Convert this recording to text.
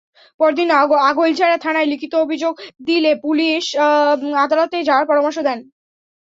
পরদিন আগৈলঝাড়া থানায় লিখিত অভিযোগ দিলে পুলিশ আদালতে যাওয়ার পরামর্শ দেয়।